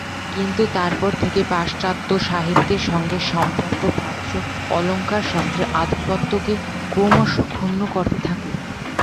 কিন্তু তারপর থেকে পাশ্চাত্য সাহিত্যের সঙ্গে সম্পর্ক প্রাচ্য অলঙ্কারশাস্ত্রের আধিপত্যকে ক্রমশ ক্ষুণ্ণ করতে থাকে।